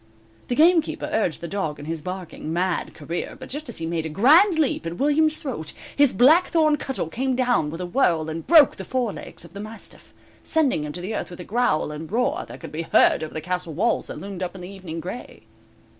The gamekeeper urged the dog in his barking, mad career, but just as he made a grand leap at William's throat, his blackthorn cudgel came down with a whirl and broke the forelegs of the mastiff, sending him to earth with a growl and roar that could be heard over the castle walls that loomed up in the evening gray.